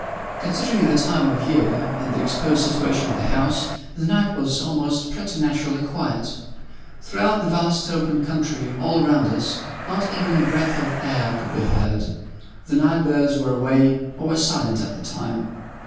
Considering the time of year, and the exposed situation of the house, the night was almost preternaturally quiet. Throughout the vast open country all round us, not even a breath of air could be heard. The night birds were away, or were silent at the time.